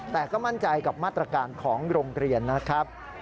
แต่ก็มั่นใจกับมาตรการของโรงเรียนนะครับ